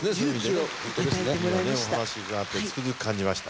お話伺ってつくづく感じました。